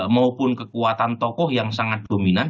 maupun kekuatan tokoh yang sangat dominan